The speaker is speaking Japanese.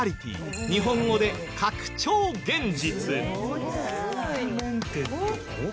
日本語で拡張現実。